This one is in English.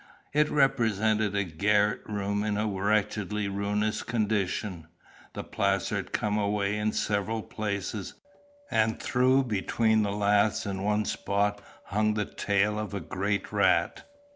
It represented a garret room in a wretchedly ruinous condition. The plaster had come away in several places, and through between the laths in one spot hung the tail of a great rat.